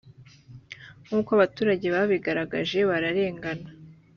nk’uko abaturage babigaragaje bararengana